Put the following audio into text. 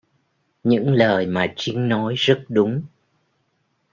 Những lời mà Trinh nói rất đúng